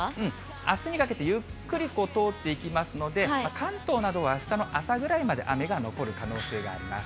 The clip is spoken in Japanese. あすにかけてゆっくり通っていきますので、関東などはあしたの朝ぐらいまで雨が残る可能性があります。